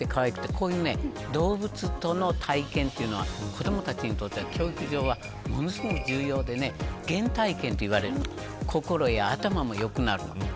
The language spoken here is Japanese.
こういう動物との体験は子どもたちにとって、教育上はものすごく重要で原体験といわわれるの心や頭も良くなるの。